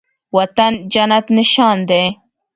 وطن جنت نشان دی